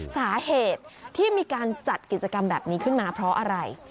สาเหตุที่มีการจัดกิจกรรมแบบนี้ขึ้นมาเพราะอะไร